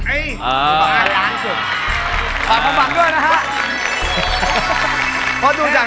ใครเป็นใคร